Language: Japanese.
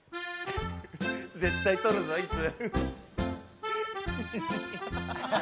絶対取るぞ椅子！